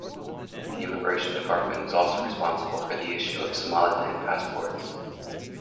The Immigration Department is also responsible for the issue of Somaliland Passports.